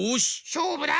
しょうぶだ！